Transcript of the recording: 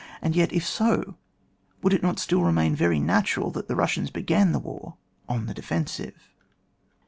And yet, if so, would it not still remain very natural that the Bussians began the war on the d^ fensive?